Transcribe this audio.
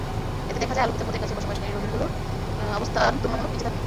এতে দেখা যায়, আলোকিত পথের কাছে বসবাসকারী রবিনগুলোর অবস্থান তুলনামূলক নিচে থাকে।